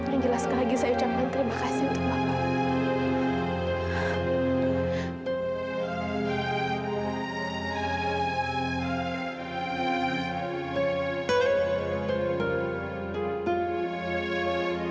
yang jelas sekali lagi saya ucapkan terima kasih untuk bapak